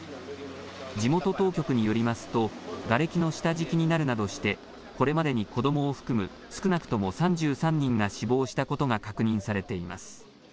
地元当局によりますとがれきの下敷きになるなどしてこれまでに子どもを含む少なくとも３３人が死亡したことが確認されています。